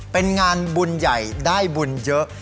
เป็นงานบุญใหญ่ได้บุญเยอะ